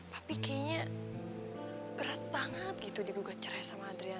papi kayaknya berat banget gitu digugat cerai sama adriana